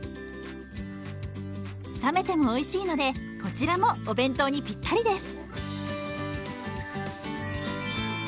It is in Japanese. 冷めてもおいしいのでこちらもお弁当にピッタリです。